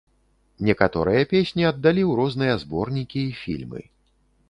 Некаторыя песні аддалі ў розныя зборнікі і фільмы.